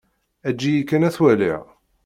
Eǧǧ-iyi kan ad t-waliɣ.